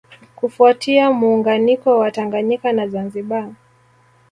Kufuatia muunganiko wa Tanganyika na Zanzibar